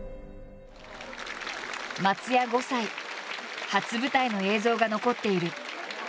松也５歳初舞台の映像が残っている。